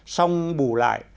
song bù lại